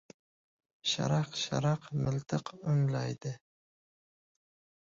Sharaq-sharaq miltiq o‘nglaydi.